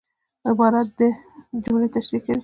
عبارت د جملې تشریح کوي.